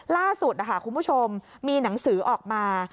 ล่าสุดคุณผู้ชมมีหนังสือออกมา